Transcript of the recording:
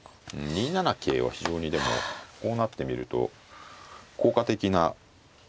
２七桂は非常にでもこうなってみると効果的な一着でしたね。